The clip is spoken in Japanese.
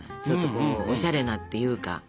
ちょっとおしゃれなっていうか。